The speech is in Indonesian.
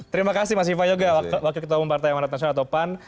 terima kasih mas iva yoga wakil ketua umum partai yang warna tansional atau pan